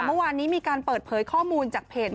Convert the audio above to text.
เมื่อวานนี้มีการเปิดเผยข้อมูลจากเพจ